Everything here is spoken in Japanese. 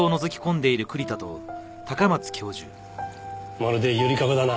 まるでゆりかごだな。